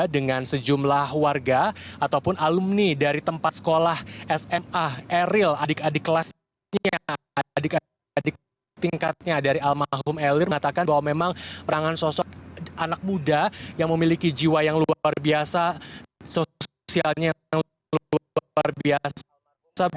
dengan sejumlah warga ataupun alumni dari tempat sekolah sma eril adik adik kelasnya adik adik tingkatnya dari almarhum elir mengatakan bahwa memang perangan sosok anak muda yang memiliki jiwa yang luar biasa sosialnya yang luar biasa